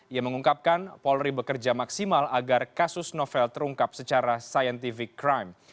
ia mengungkapkan polri bekerja maksimal agar kasus novel terungkap secara scientific crime